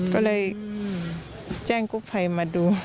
ก็เลยแจ้งกู้ภัยมาดู